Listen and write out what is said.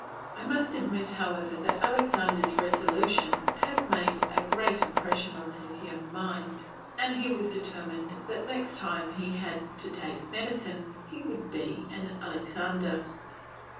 I must admit, however, that Alexander's resolution had made a great impression on his young mind, and he was determined that next time he had to take medicine he would be an Alexander.